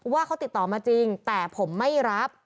ว่าเขาติดต่อมาจริงแต่ผมไม่รับ